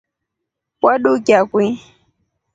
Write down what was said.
Wadukia kwii?